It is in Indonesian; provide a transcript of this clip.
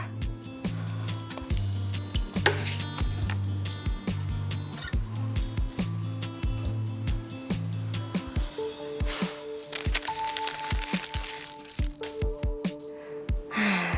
masih gak bisa berumur